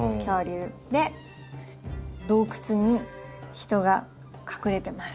で洞窟に人が隠れてます。